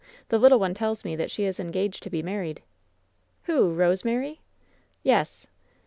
The little one tells me that she is engaged to be married.'' "Who? Kosemary?'' "Yes."